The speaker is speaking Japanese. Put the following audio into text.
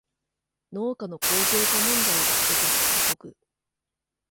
農家の後継者問題はどこも深刻